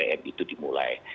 setelah upm itu dimulai